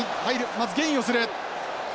まずゲインをする。